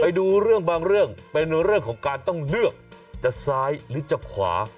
ไปดูเรื่องบางเรื่องเป็นเรื่องของการต้องเลือกจะซ้ายหรือจะขวา